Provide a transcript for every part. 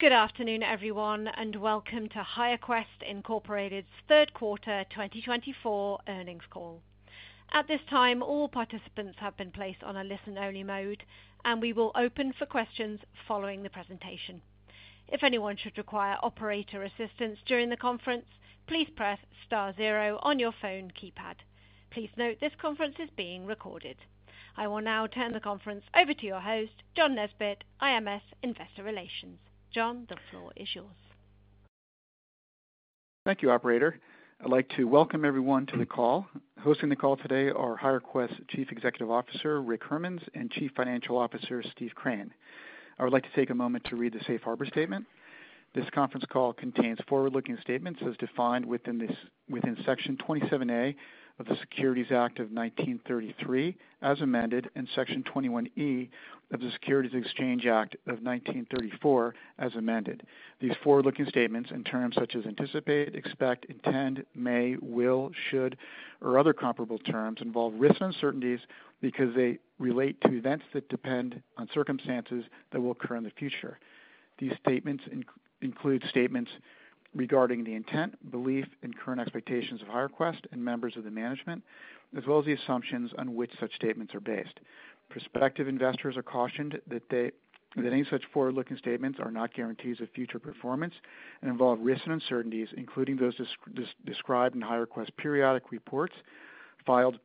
Good afternoon, everyone, and welcome to HireQuest Incorporated's Third Quarter 2024 Earnings Call. At this time, all participants have been placed on a listen-only mode, and we will open for questions following the presentation. If anyone should require operator assistance during the conference, please press star zero on your phone keypad. Please note this conference is being recorded. I will now turn the conference over to your host, John Nesbett, IMS Investor Relations. John, the floor is yours. Thank you, Operator. I'd like to welcome everyone to the call. Hosting the call today are HireQuest Chief Executive Officer Rick Hermanns and Chief Financial Officer Steve Crane. I would like to take a moment to read the Safe Harbor Statement. This conference call contains forward-looking statements as defined within Section 27A of the Securities Act of 1933, as amended, and Section 21E of the Securities Exchange Act of 1934, as amended. These forward-looking statements and terms such as anticipate, expect, intend, may, will, should, or other comparable terms involve risks and uncertainties because they relate to events that depend on circumstances that will occur in the future. These statements include statements regarding the intent, belief, and current expectations of HireQuest and members of the management, as well as the assumptions on which such statements are based. Prospective investors are cautioned that any such forward-looking statements are not guarantees of future performance and involve risk uncertainties, including those described in HireQuest's periodic reports filed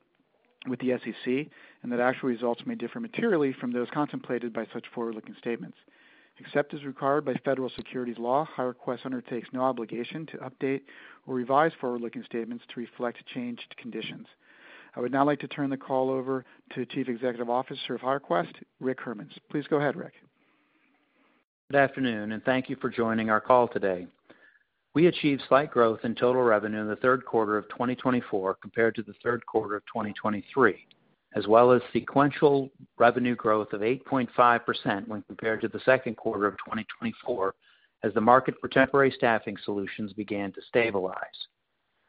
with the SEC, and that actual results may differ materially from those contemplated by such forward-looking statements. Except as required by federal securities law, HireQuest undertakes no obligation to update or revise forward-looking statements to reflect changed conditions. I would now like to turn the call over to Chief Executive Officer of HireQuest, Rick Hermanns. Please go ahead, Rick. Good afternoon, and thank you for joining our call today. We achieved slight growth in total revenue in the third quarter of 2024 compared to the third quarter of 2023, as well as sequential revenue growth of 8.5% when compared to the second quarter of 2024, as the market for temporary staffing solutions began to stabilize.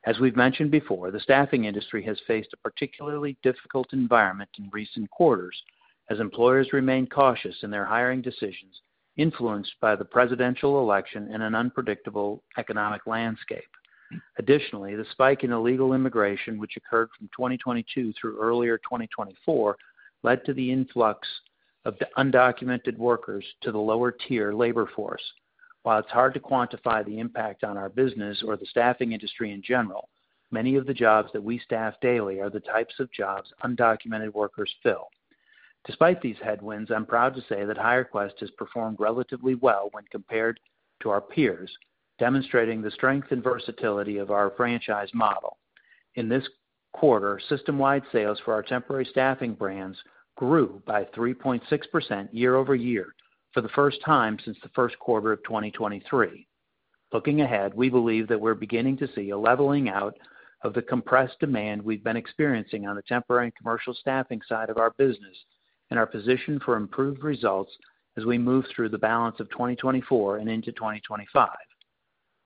As we've mentioned before, the staffing industry has faced a particularly difficult environment in recent quarters, as employers remain cautious in their hiring decisions, influenced by the presidential election and an unpredictable economic landscape. Additionally, the spike in illegal immigration, which occurred from 2022 through earlier 2024, led to the influx of undocumented workers to the lower-tier labor force. While it's hard to quantify the impact on our business or the staffing industry in general, many of the jobs that we staff daily are the types of jobs undocumented workers fill. Despite these headwinds, I'm proud to say that HireQuest has performed relatively well when compared to our peers, demonstrating the strength and versatility of our franchise model. In this quarter, system-wide sales for our temporary staffing brands grew by 3.6% year over year for the first time since the first quarter of 2023. Looking ahead, we believe that we're beginning to see a leveling out of the compressed demand we've been experiencing on the temporary and commercial staffing side of our business and are positioned for improved results as we move through the balance of 2024 and into 2025.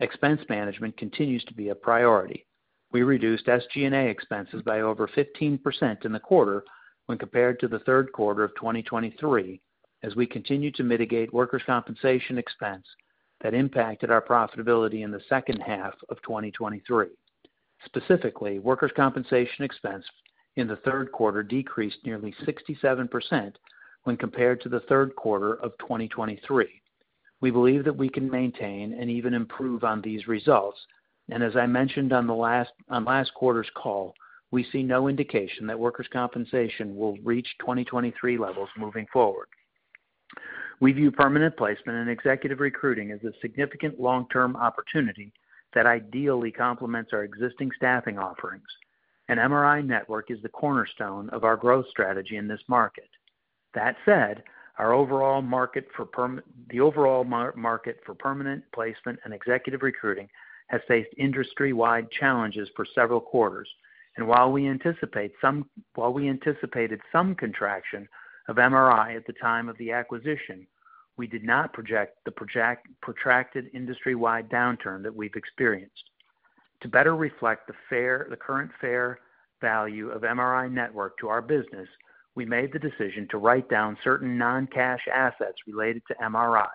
Expense management continues to be a priority. We reduced SG&A expenses by over 15% in the quarter when compared to the third quarter of 2023, as we continue to mitigate workers' compensation expense that impacted our profitability in the second half of 2023. Specifically, workers' compensation expense in the third quarter decreased nearly 67% when compared to the third quarter of 2023. We believe that we can maintain and even improve on these results, and as I mentioned on last quarter's call, we see no indication that workers' compensation will reach 2023 levels moving forward. We view permanent placement and executive recruiting as a significant long-term opportunity that ideally complements our existing staffing offerings. The MRI Network is the cornerstone of our growth strategy in this market. That said, the overall market for permanent placement and executive recruiting has faced industry-wide challenges for several quarters, and while we anticipated some contraction of MRI at the time of the acquisition, we did not project the protracted industry-wide downturn that we've experienced. To better reflect the current fair value of MRI Network to our business, we made the decision to write down certain non-cash assets related to MRI,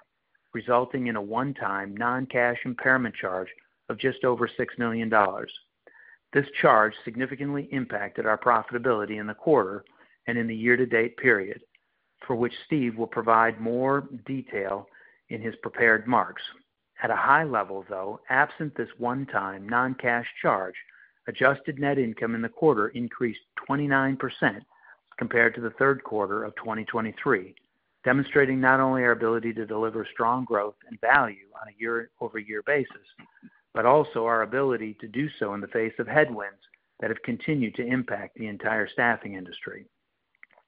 resulting in a one-time non-cash impairment charge of just over $6 million. This charge significantly impacted our profitability in the quarter and in the year-to-date period, for which Steve will provide more detail in his prepared remarks. At a high level, though, absent this one-time non-cash charge, adjusted net income in the quarter increased 29% compared to the third quarter of 2023, demonstrating not only our ability to deliver strong growth and value on a year-over-year basis, but also our ability to do so in the face of headwinds that have continued to impact the entire staffing industry.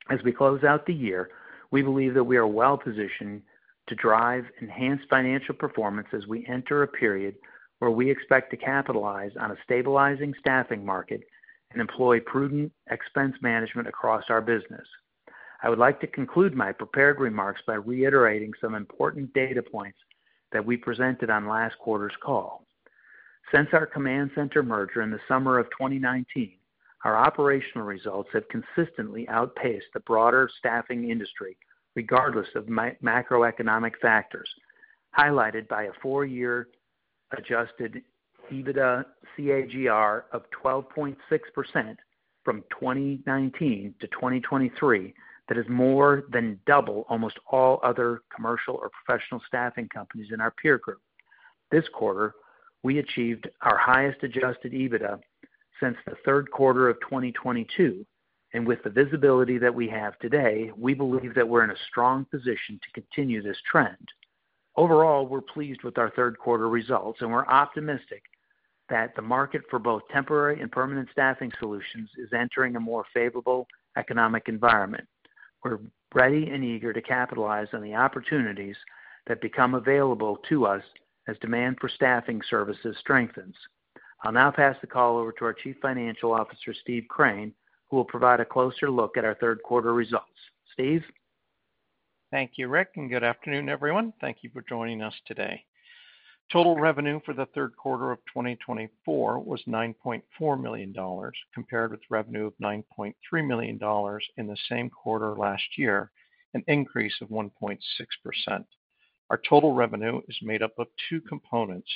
As we close out the year, we believe that we are well-positioned to drive enhanced financial performance as we enter a period where we expect to capitalize on a stabilizing staffing market and employ prudent expense management across our business. I would like to conclude my prepared remarks by reiterating some important data points that we presented on last quarter's call. Since our Command Center merger in the summer of 2019, our operational results have consistently outpaced the broader staffing industry, regardless of macroeconomic factors, highlighted by a four-year adjusted EBITDA CAGR of 12.6% from 2019 to 2023 that is more than double almost all other commercial or professional staffing companies in our peer group. This quarter, we achieved our highest adjusted EBITDA since the third quarter of 2022, and with the visibility that we have today, we believe that we're in a strong position to continue this trend. Overall, we're pleased with our third quarter results, and we're optimistic that the market for both temporary and permanent staffing solutions is entering a more favorable economic environment. We're ready and eager to capitalize on the opportunities that become available to us as demand for staffing services strengthens. I'll now pass the call over to our Chief Financial Officer, Steve Crane, who will provide a closer look at our third quarter results. Steve? Thank you, Rick, and good afternoon, everyone. Thank you for joining us today. Total revenue for the third quarter of 2024 was $9.4 million, compared with revenue of $9.3 million in the same quarter last year, an increase of 1.6%. Our total revenue is made up of two components: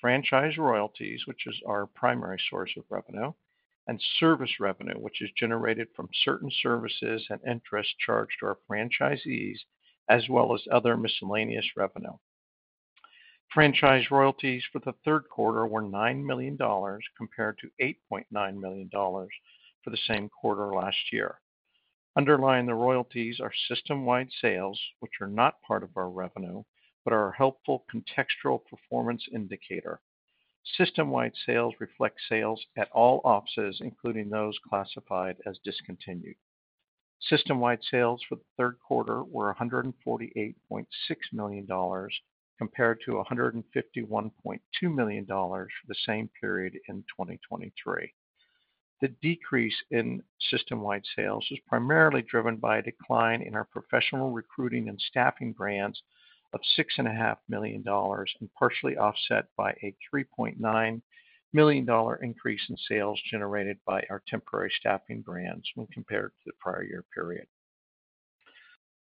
franchise royalties, which is our primary source of revenue, and service revenue, which is generated from certain services and interest charged to our franchisees, as well as other miscellaneous revenue. Franchise royalties for the third quarter were $9 million, compared to $8.9 million for the same quarter last year. Underlying the royalties are system-wide sales, which are not part of our revenue but are a helpful contextual performance indicator. System-wide sales reflect sales at all offices, including those classified as discontinued. System-wide sales for the third quarter were $148.6 million, compared to $151.2 million for the same period in 2023. The decrease in system-wide sales is primarily driven by a decline in our professional recruiting and staffing brands of $6.5 million, partially offset by a $3.9 million increase in sales generated by our temporary staffing brands when compared to the prior year period.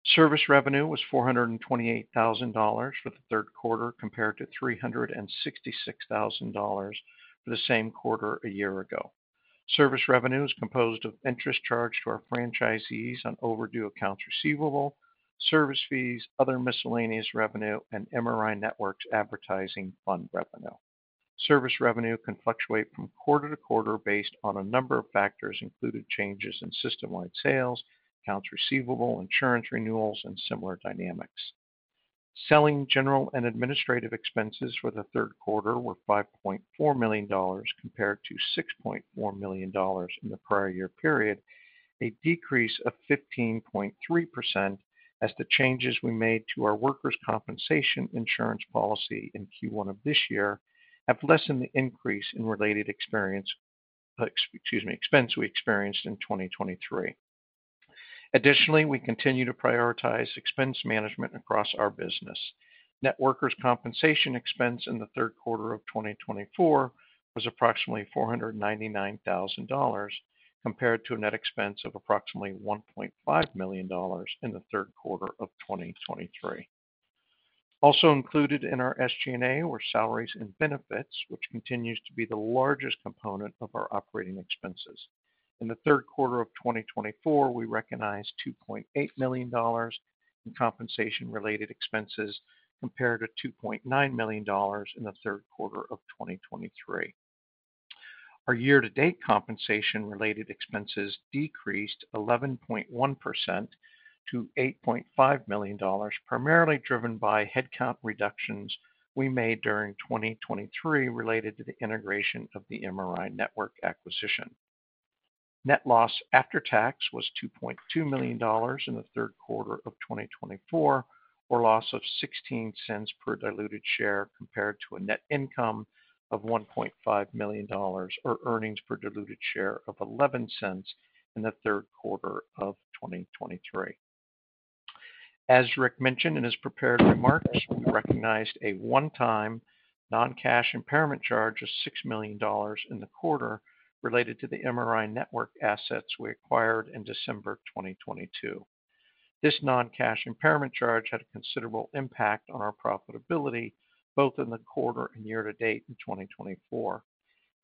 Service revenue was $428,000 for the third quarter, compared to $366,000 for the same quarter a year ago. Service revenue is composed of interest charged to our franchisees on overdue accounts receivable, service fees, other miscellaneous revenue, and MRI Network's advertising fund revenue. Service revenue can fluctuate from quarter to quarter based on a number of factors, including changes in system-wide sales, accounts receivable, insurance renewals, and similar dynamics. Selling, general, and administrative expenses for the third quarter were $5.4 million, compared to $6.4 million in the prior year period, a decrease of 15.3%, as the changes we made to our workers' compensation insurance policy in Q1 of this year have lessened the increase in related expense we experienced in 2023. Additionally, we continue to prioritize expense management across our business. Net workers' compensation expense in the third quarter of 2024 was approximately $499,000, compared to a net expense of approximately $1.5 million in the third quarter of 2023. Also included in our SG&A were salaries and benefits, which continues to be the largest component of our operating expenses. In the third quarter of 2024, we recognized $2.8 million in compensation-related expenses, compared to $2.9 million in the third quarter of 2023. Our year-to-date compensation-related expenses decreased 11.1% to $8.5 million, primarily driven by headcount reductions we made during 2023 related to the integration of the MRI Network acquisition. Net loss after tax was $2.2 million in the third quarter of 2024, or loss of $0.16 per diluted share, compared to a net income of $1.5 million, or earnings per diluted share of $0.11 in the third quarter of 2023. As Rick mentioned in his prepared remarks, we recognized a one-time non-cash impairment charge of $6 million in the quarter related to the MRI Network assets we acquired in December 2022. This non-cash impairment charge had a considerable impact on our profitability, both in the quarter and year-to-date in 2024.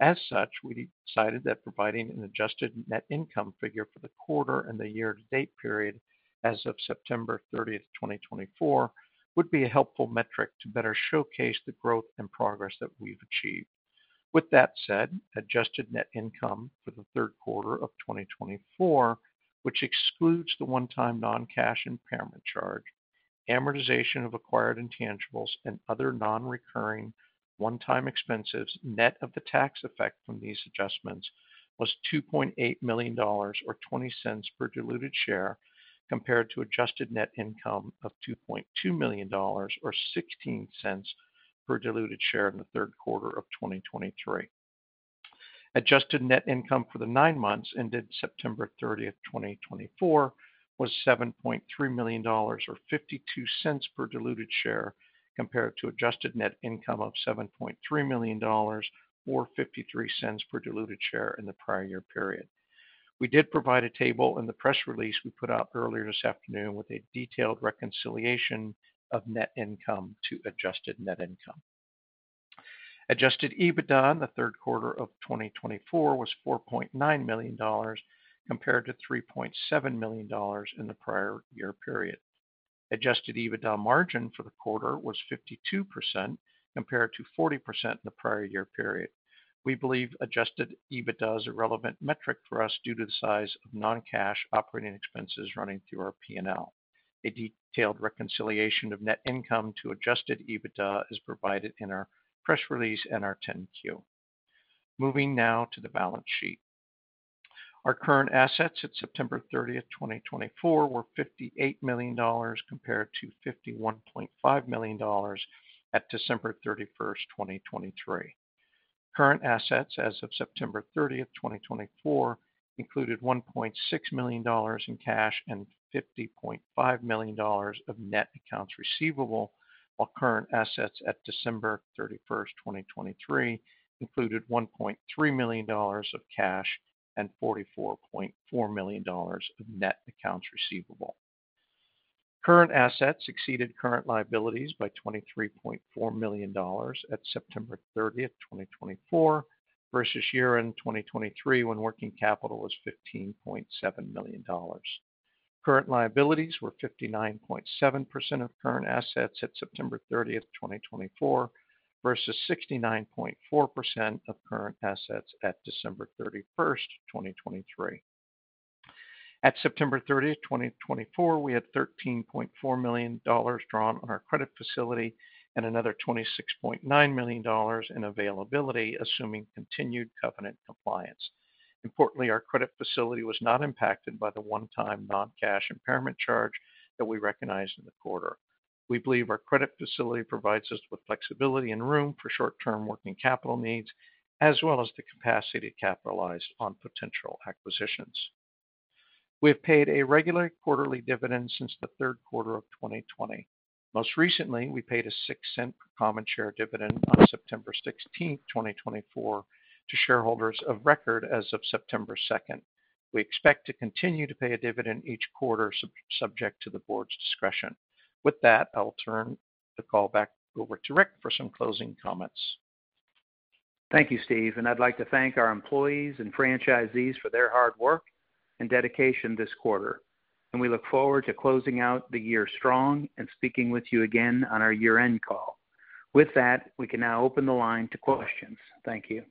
As such, we decided that providing an adjusted net income figure for the quarter and the year-to-date period as of September 30, 2024, would be a helpful metric to better showcase the growth and progress that we've achieved. With that said, adjusted net income for the third quarter of 2024, which excludes the one-time non-cash impairment charge, amortization of acquired intangibles, and other non-recurring one-time expenses net of the tax effect from these adjustments was $2.8 million, or $0.20 per diluted share, compared to adjusted net income of $2.2 million, or $0.16 per diluted share in the third quarter of 2023. Adjusted net income for the nine months ended September 30, 2024, was $7.3 million, or $0.52 per diluted share, compared to adjusted net income of $7.3 million, or $0.53 per diluted share in the prior year period. We did provide a table in the press release we put out earlier this afternoon with a detailed reconciliation of net income to adjusted net income. Adjusted EBITDA in the third quarter of 2024 was $4.9 million, compared to $3.7 million in the prior year period. Adjusted EBITDA margin for the quarter was 52%, compared to 40% in the prior year period. We believe adjusted EBITDA is a relevant metric for us due to the size of non-cash operating expenses running through our P&L. A detailed reconciliation of net income to adjusted EBITDA is provided in our press release and our 10-Q. Moving now to the balance sheet. Our current assets at September 30, 2024, were $58 million, compared to $51.5 million at December 31, 2023. Current assets as of September 30, 2024, included $1.6 million in cash and $50.5 million of net accounts receivable, while current assets at December 31, 2023, included $1.3 million of cash and $44.4 million of net accounts receivable. Current assets exceeded current liabilities by $23.4 million at September 30, 2024, versus year-end 2023 when working capital was $15.7 million. Current liabilities were 59.7% of current assets at September 30, 2024, versus 69.4% of current assets at December 31, 2023. At September 30, 2024, we had $13.4 million drawn on our credit facility and another $26.9 million in availability, assuming continued covenant compliance. Importantly, our credit facility was not impacted by the one-time non-cash impairment charge that we recognized in the quarter. We believe our credit facility provides us with flexibility and room for short-term working capital needs, as well as the capacity to capitalize on potential acquisitions. We have paid a regular quarterly dividend since the third quarter of 2020. Most recently, we paid a $0.06 per common share dividend on September 16, 2024, to shareholders of record as of September 2. We expect to continue to pay a dividend each quarter, subject to the board's discretion. With that, I'll turn the call back over to Rick for some closing comments. Thank you, Steve. And I'd like to thank our employees and franchisees for their hard work and dedication this quarter. And we look forward to closing out the year strong and speaking with you again on our year-end call. With that, we can now open the line to questions. Thank you.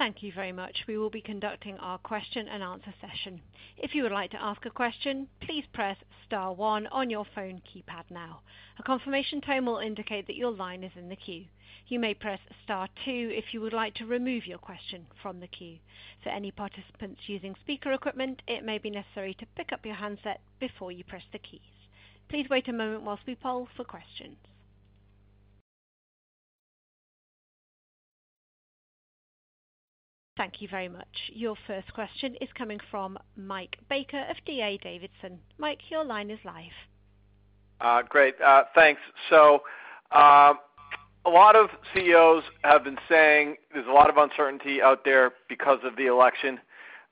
Thank you very much. We will be conducting our question-and-answer session. If you would like to ask a question, please press star one on your phone keypad now. A confirmation tone will indicate that your line is in the queue. You may press star two if you would like to remove your question from the queue. For any participants using speaker equipment, it may be necessary to pick up your handset before you press the keys. Please wait a moment while we poll for questions. Thank you very much. Your first question is coming from Mike Baker of D.A. Davidson. Mike, your line is live. Great. Thanks. So a lot of CEOs have been saying there's a lot of uncertainty out there because of the election.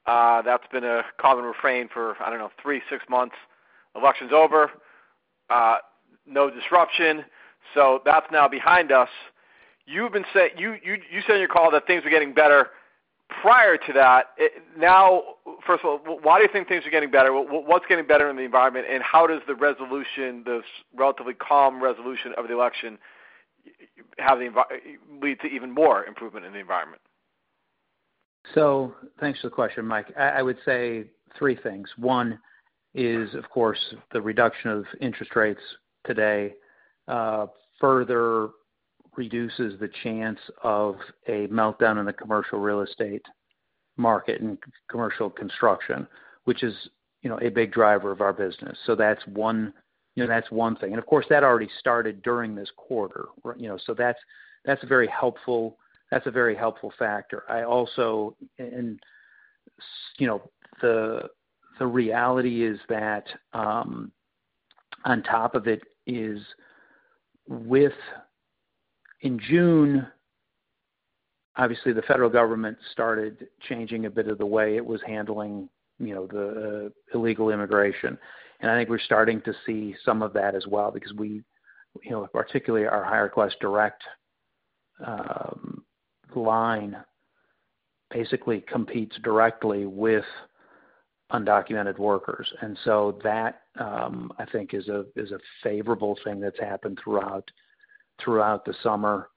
That's been a common refrain for, I don't know, three, six months. Election's over. No disruption. So that's now behind us. You said in your call that things were getting better prior to that. Now, first of all, why do you think things are getting better? What's getting better in the environment? And how does the resolution, the relatively calm resolution of the election, lead to even more improvement in the environment? So thanks for the question, Mike. I would say three things. One is, of course, the reduction of interest rates today further reduces the chance of a meltdown in the commercial real estate market and commercial construction, which is a big driver of our business. So that's one thing. And of course, that already started during this quarter. So that's a very helpful factor. And the reality is that on top of it is within June, obviously, the federal government started changing a bit of the way it was handling the illegal immigration. And I think we're starting to see some of that as well because we, particularly our HireQuest Direct line, basically competes directly with undocumented workers. And so that, I think, is a favorable thing that's happened throughout the summer.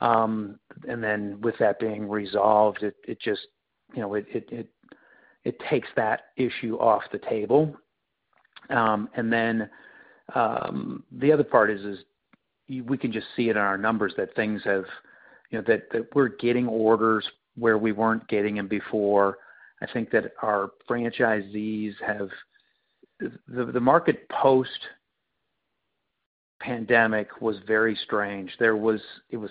And then with that being resolved, it just takes that issue off the table. And then the other part is we can just see it in our numbers that things have that we're getting orders where we weren't getting them before. I think that our franchisees have the market post-pandemic was very strange. It was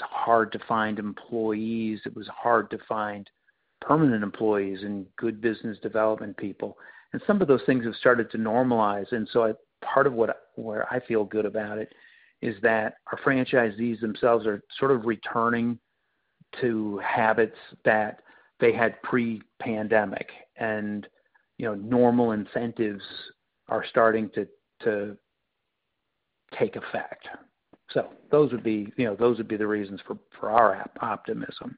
hard to find employees. It was hard to find permanent employees and good business development people. And some of those things have started to normalize. And so part of where I feel good about it is that our franchisees themselves are sort of returning to habits that they had pre-pandemic. And normal incentives are starting to take effect. So those would be the reasons for our optimism.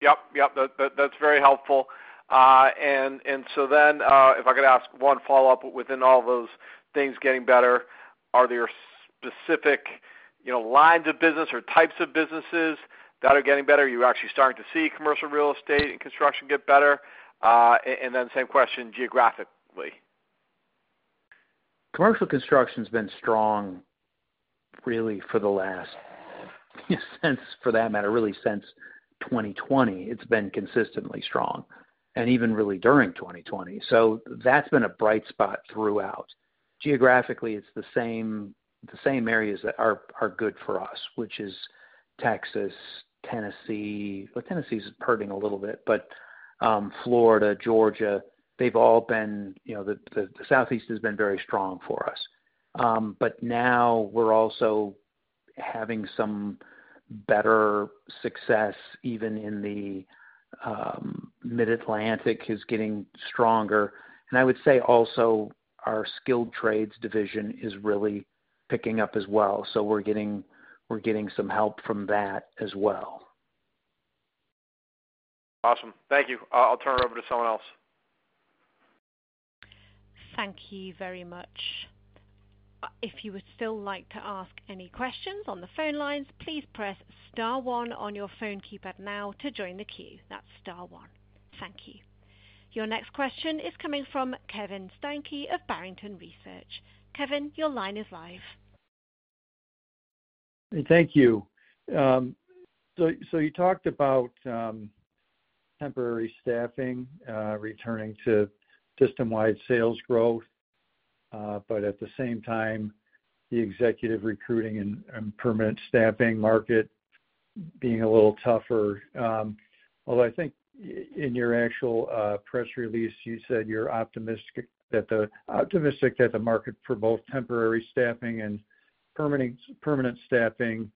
Yep. Yep. That's very helpful, and so then, if I could ask one follow-up, within all those things getting better, are there specific lines of business or types of businesses that are getting better? Are you actually starting to see commercial real estate and construction get better, and then same question geographically? Commercial construction has been strong, really, for the last, for that matter, really since 2020. It's been consistently strong, and even really during 2020, so that's been a bright spot throughout. Geographically, it's the same areas that are good for us, which is Texas, Tennessee. Well, Tennessee is hurting a little bit, but Florida, Georgia, they've all been. The Southeast has been very strong for us. But now we're also having some better success. Even in the Mid-Atlantic is getting stronger, and I would say also our skilled trades division is really picking up as well, so we're getting some help from that as well. Awesome. Thank you. I'll turn it over to someone else. Thank you very much. If you would still like to ask any questions on the phone lines, please press star one on your phone keypad now to join the queue. That's star one. Thank you. Your next question is coming from Kevin Steinke of Barrington Research. Kevin, your line is live. Thank you. So you talked about temporary staffing, returning to system-wide sales growth, but at the same time, the executive recruiting and permanent staffing market being a little tougher. Although I think in your actual press release, you said you're optimistic that the market for both temporary staffing and permanent staffing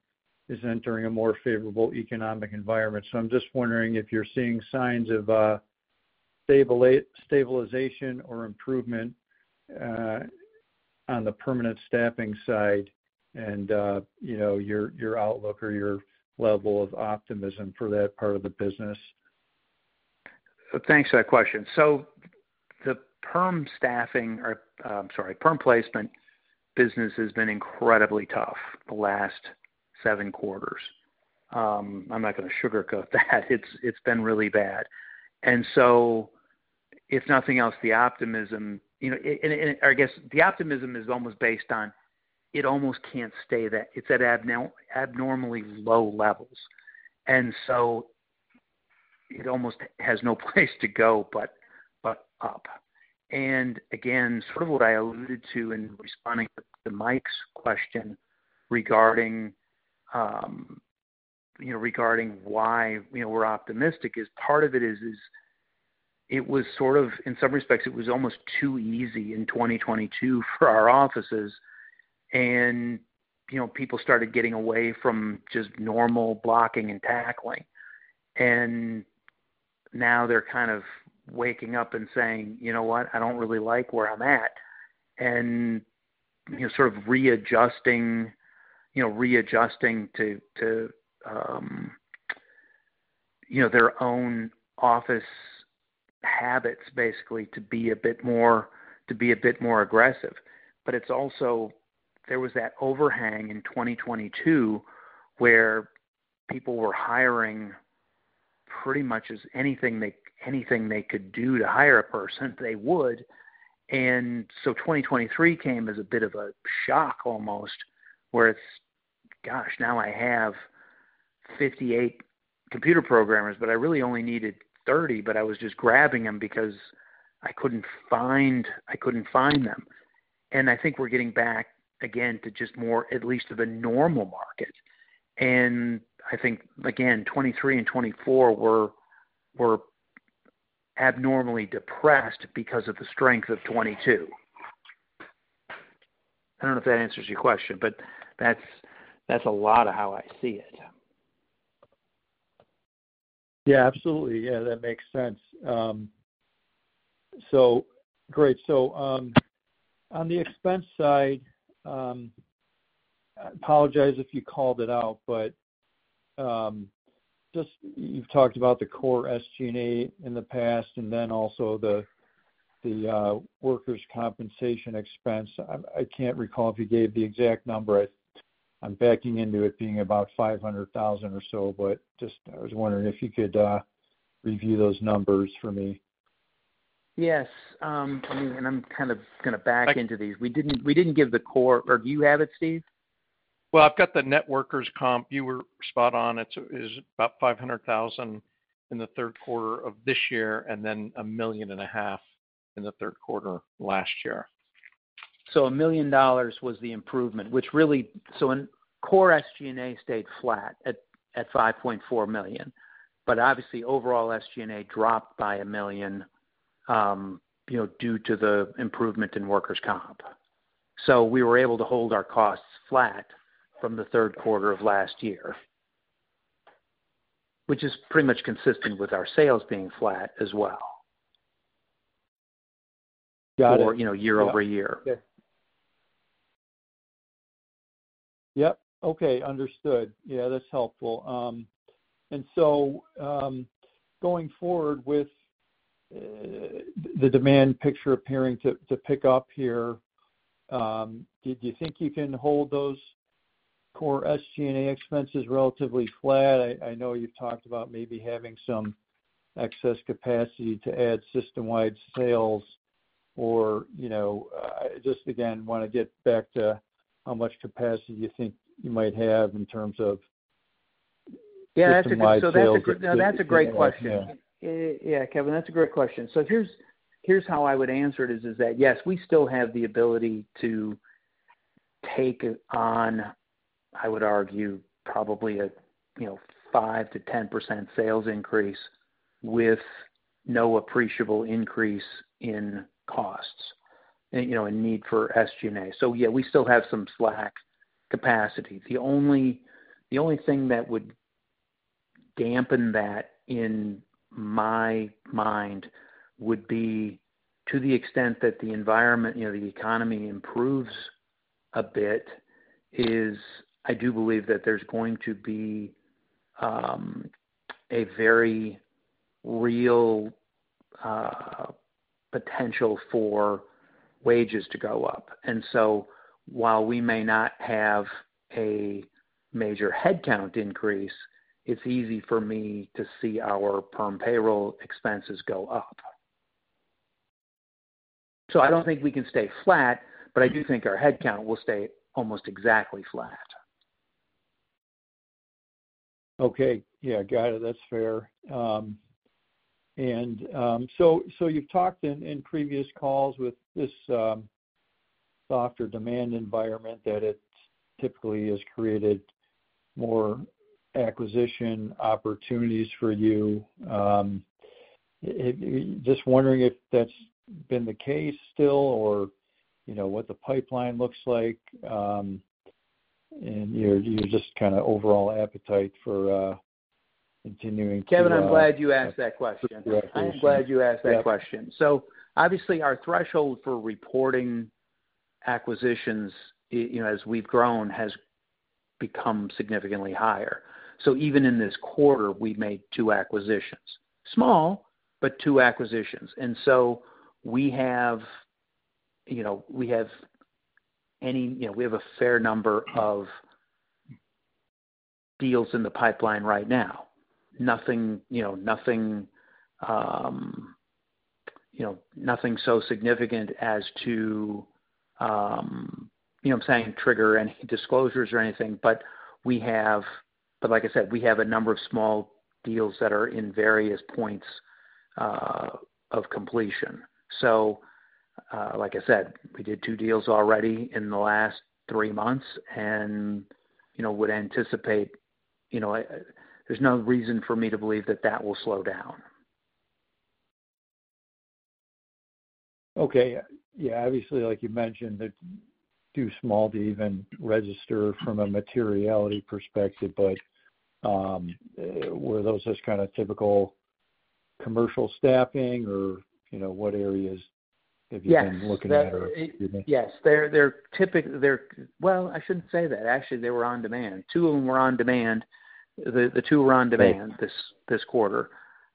is entering a more favorable economic environment. So I'm just wondering if you're seeing signs of stabilization or improvement on the permanent staffing side and your outlook or your level of optimism for that part of the business? Thanks for that question. So the perm staffing or, I'm sorry, perm placement business has been incredibly tough the last seven quarters. I'm not going to sugarcoat that. It's been really bad. And so if nothing else, the optimism, I guess the optimism is almost based on it almost can't stay that it's at abnormally low levels. And so it almost has no place to go but up. And again, sort of what I alluded to in responding to Mike's question regarding why we're optimistic is part of it is it was sort of, in some respects, it was almost too easy in 2022 for our offices. And people started getting away from just normal blocking and tackling. And now they're kind of waking up and saying, "You know what? I don't really like where I'm at," and sort of readjusting to their own office habits, basically, to be a bit more aggressive. But it's also, there was that overhang in 2022 where people were hiring pretty much anything they could do to hire a person, they would. And so 2023 came as a bit of a shock almost, where it's, "Gosh, now I have 58 computer programmers, but I really only needed 30, but I was just grabbing them because I couldn't find them." And I think we're getting back again to just more, at least, of a normal market. And I think, again, 2023 and 2024 were abnormally depressed because of the strength of 2022. I don't know if that answers your question, but that's a lot of how I see it. Yeah, absolutely. Yeah, that makes sense. So great. So on the expense side, I apologize if you called it out, but just you've talked about the core SG&A in the past and then also the workers' compensation expense. I can't recall if you gave the exact number. I'm backing into it being about $500,000 or so, but just I was wondering if you could review those numbers for me. Yes. I mean, and I'm kind of going to back into these. We didn't give the core or do you have it, Steve? I've got the net workers' comp. You were spot on. It's about $500,000 in the third quarter of this year and then $1.5 million in the third quarter last year. So $1 million was the improvement, which really so core SG&A stayed flat at $5.4 million. But obviously, overall SG&A dropped by $1 million due to the improvement in workers' comp. So we were able to hold our costs flat from the third quarter of last year, which is pretty much consistent with our sales being flat as well. Got it. Or year over year. Yep. Okay. Understood. Yeah, that's helpful. And so going forward with the demand picture appearing to pick up here, do you think you can hold those core SG&A expenses relatively flat? I know you've talked about maybe having some excess capacity to add system-wide sales or just, again, want to get back to how much capacity you think you might have in terms of. Yeah, that's a great question. Yeah, Kevin, that's a great question. So here's how I would answer it is that yes, we still have the ability to take on, I would argue, probably a 5%-10% sales increase with no appreciable increase in costs and need for SG&A. So yeah, we still have some slack capacity. The only thing that would dampen that in my mind would be to the extent that the environment, the economy improves a bit is I do believe that there's going to be a very real potential for wages to go up. And so while we may not have a major headcount increase, it's easy for me to see our perm payroll expenses go up. So I don't think we can stay flat, but I do think our headcount will stay almost exactly flat. Okay. Yeah. Got it. That's fair. So you've talked in previous calls with this softer demand environment that it typically has created more acquisition opportunities for you. Just wondering if that's been the case still or what the pipeline looks like and you're just kind of overall appetite for continuing to. Kevin, I'm glad you asked that question. Yeah. Thank you. I'm glad you asked that question. So obviously, our threshold for reporting acquisitions as we've grown has become significantly higher. So even in this quarter, we made two acquisitions. Small, but two acquisitions. And so we have a fair number of deals in the pipeline right now. Nothing so significant as to, you know what I'm saying, trigger any disclosures or anything. But like I said, we have a number of small deals that are in various points of completion. So like I said, we did two deals already in the last three months and would anticipate there's no reason for me to believe that will slow down. Okay. Yeah. Obviously, like you mentioned, it's too small to even register from a materiality perspective. But were those just kind of typical commercial staffing or what areas have you been looking at or? Yes. Well, I shouldn't say that. Actually, they were on-demand. Two of them were on-demand. The two were on-demand this quarter.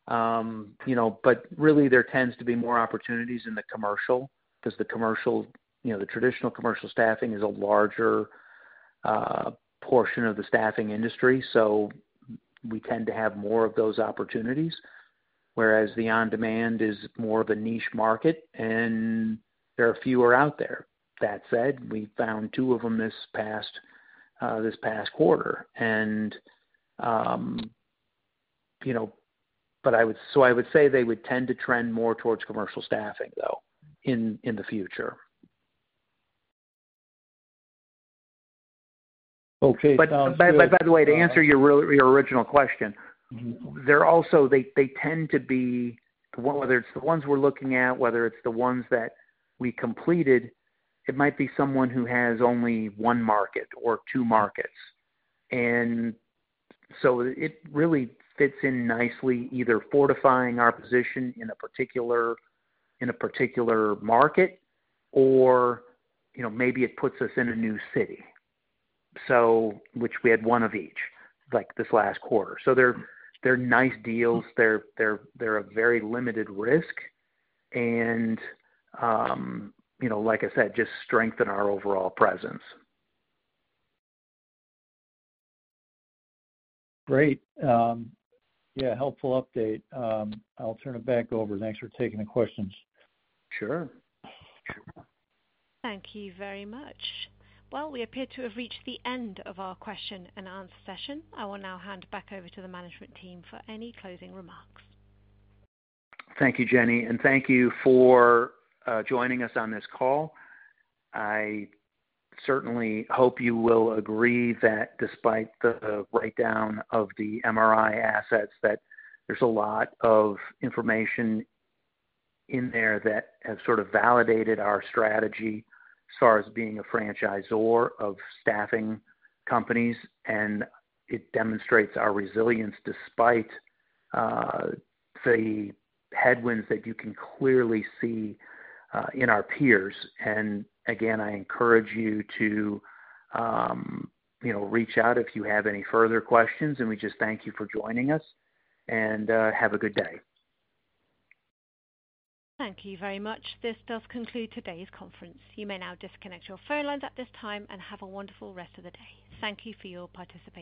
But really, there tends to be more opportunities in the commercial because the commercial, the traditional commercial staffing is a larger portion of the staffing industry. So we tend to have more of those opportunities, whereas the on-demand is more of a niche market, and there are fewer out there. That said, we found two of them this past quarter. And so I would say they would tend to trend more towards commercial staffing, though, in the future. Okay. But by the way, to answer your original question, they also tend to be whether it's the ones we're looking at, whether it's the ones that we completed, it might be someone who has only one market or two markets. And so it really fits in nicely either fortifying our position in a particular market or maybe it puts us in a new city, which we had one of each this last quarter. So they're nice deals. They're a very limited risk and, like I said, just strengthen our overall presence. Great. Yeah. Helpful update. I'll turn it back over. Thanks for taking the questions. Sure. Thank you very much. Well, we appear to have reached the end of our question and answer session. I will now hand back over to the management team for any closing remarks. Thank you, Jenny. And thank you for joining us on this call. I certainly hope you will agree that despite the breakdown of the MRI assets, that there's a lot of information in there that has sort of validated our strategy as far as being a franchisor of staffing companies. And it demonstrates our resilience despite the headwinds that you can clearly see in our peers. And again, I encourage you to reach out if you have any further questions. And we just thank you for joining us and have a good day. Thank you very much. This does conclude today's conference. You may now disconnect your phone lines at this time and have a wonderful rest of the day. Thank you for your participation.